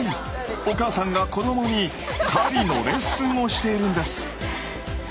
お母さんが子どもに狩りのレッスンをしているんです。